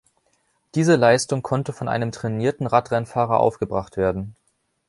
Diese Leistung konnte von einem trainierten Radrennfahrer aufgebracht werden.